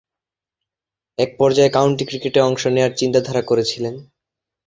এক পর্যায়ে কাউন্টি ক্রিকেটে অংশ নেয়ার চিন্তাধারা করেছিলেন।